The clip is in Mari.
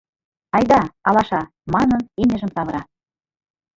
Айда, алаша, — манын, имньыжым савыра.